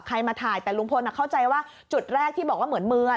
มาถ่ายแต่ลุงพลเข้าใจว่าจุดแรกที่บอกว่าเหมือนเมือง